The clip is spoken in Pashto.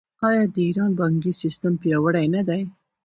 آیا د ایران بانکي سیستم پیاوړی نه دی؟